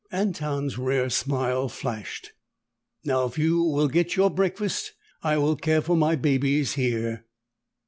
Anton's rare smile flashed. "Now, if you will get your breakfast, I will care for my babies here."